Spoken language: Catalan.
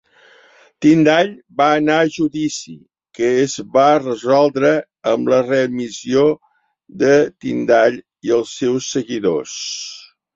Tyndall va anar a judici, que es va resoldre amb la readmissió de Tyndall i els seus seguidors.